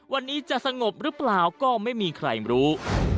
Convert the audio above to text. วันนี้จะสงบหรือเปล่าก็ไม่มีใครรู้